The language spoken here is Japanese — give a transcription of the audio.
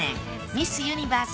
ミスユニバース